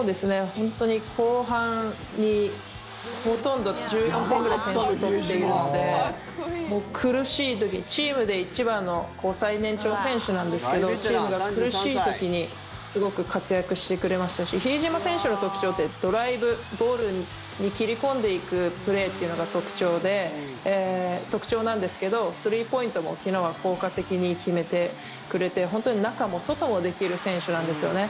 本当に後半に１４点くらい点数を取っているので苦しい時、チームで一番の最年長選手なんですけどチームが苦しい時にすごく活躍してくれましたし比江島選手の特徴ってドライブゴールに切り込んでいくプレーというのが特徴なんですけどスリーポイントも昨日は効果的に決めてくれて本当に中も外もできる選手なんですよね。